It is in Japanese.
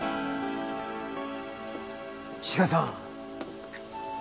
志賀さん！